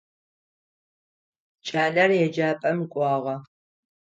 Кӏалэр еджапӏэм кӏуагъэ.